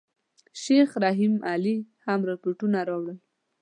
شیخ رحیم علي هم رپوټونه راوړل.